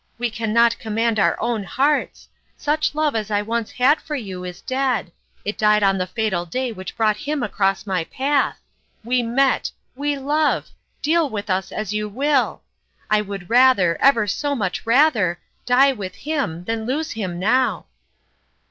We can not command our own hearts. Such love as I once had for you is dead it died on the fatal day which brought him across my path. We met we love ; deal <0ttt;p0un5 Interest. 175 with us as you will ! I would rather, ever so much rather, die with him than lose him now